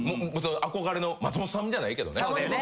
憧れの松本さんじゃないけどね。